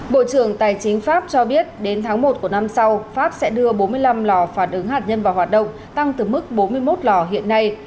bộ trưởng tài chính pháp cho biết đến tháng một của năm sau pháp sẽ đưa bốn mươi năm lò phản ứng hạt nhân vào hoạt động tăng từ mức bốn mươi một lò hiện nay